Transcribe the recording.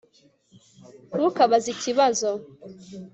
Ntukabaze ikibazo